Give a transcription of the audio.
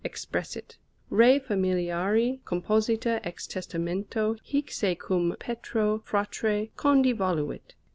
EXPRESSIT, RE FAMIL. COMPOSITA EX TEST. HIC SE CUM PETRO FRATRE CONDI VOLUIT.